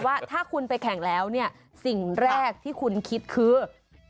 ว่าถ้าคุณไปแข่งแล้วเนี่ยสิ่งแรกที่คุณคิดคือ